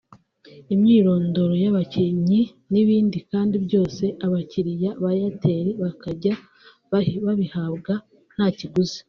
imyirondoro y’abakinnyi n’ibindi kandi byose abakiriya ba Airtel bakazajya babihabwa nta kiguzi